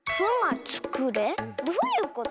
どういうこと？